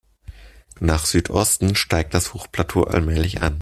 Nach Südosten steigt das Hochplateau allmählich an.